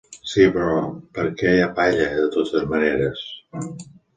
Sí, però per què hi ha palla, de totes maneres?